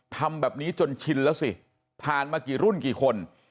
ทำแบบนี้จนชินแล้วสิผ่านมากี่รุ่นกี่คน